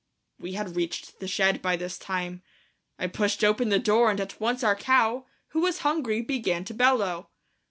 We had reached the shed by this time. I pushed open the door and at once our cow, who was hungry, began to bellow.